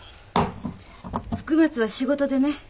福松は仕事でね。